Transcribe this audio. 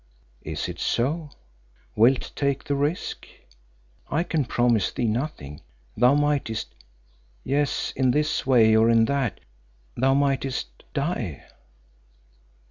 "Is it so? Wilt take the risk? I can promise thee nothing. Thou mightest yes, in this way or in that, thou mightest die."